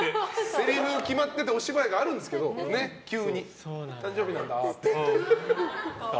せりふ決まっててお芝居があるんですけど急に、誕生日なんだとか。